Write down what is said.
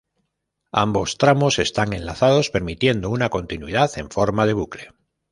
Ambos tramos están enlazados permitiendo una continuidad en forma de bucle.